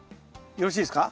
よろしいですか？